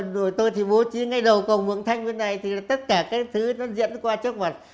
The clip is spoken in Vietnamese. rồi tôi thì bố trí ngay đầu cầu mường thanh bên này thì tất cả các thứ nó dẫn qua trước mặt